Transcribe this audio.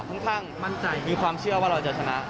ค่อนข้างมั่นใจมีความเชื่อว่าเราจะชนะ